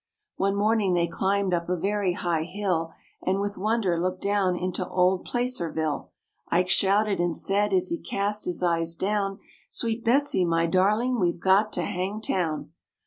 One morning they climbed up a very high hill, And with wonder looked down into old Placerville; Ike shouted and said, as he cast his eyes down, "Sweet Betsy, my darling, we've got to Hangtown."